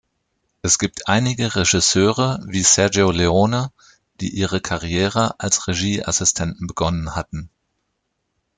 Es gibt einige Regisseure wie Sergio Leone, die ihre Karriere als Regieassistenten begonnen hatten.